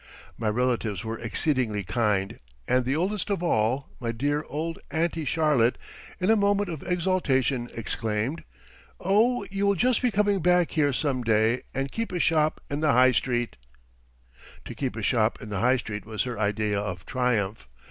My relatives were exceedingly kind, and the oldest of all, my dear old Auntie Charlotte, in a moment of exultation exclaimed: "Oh, you will just be coming back here some day and keep a shop in the High Street." To keep a shop in the High Street was her idea of triumph.